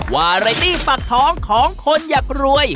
หวาระดี้ฝักท้องของคนอยากรวย